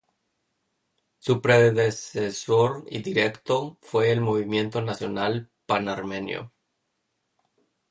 Su predecesor directo fue el Movimiento Nacional Pan-Armenio.